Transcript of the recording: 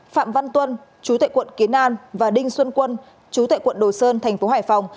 phạm văn tuân chú tệ quận kiến an và đinh xuân quân chú tệ quận đồi sơn thành phố hải phòng